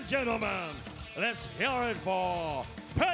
ตอนนี้มวยกู้ที่๓ของรายการ